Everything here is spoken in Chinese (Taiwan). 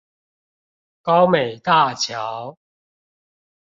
高美大橋